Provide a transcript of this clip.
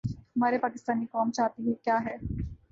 ہماری پاکستانی قوم چاہتی کیا ہے؟